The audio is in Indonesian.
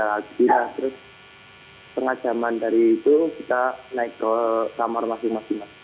alhamdulillah terus setengah jaman dari itu kita naik ke kamar masing masing